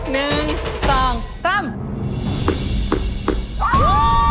ว้าว